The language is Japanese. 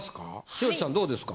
塩地さんどうですか？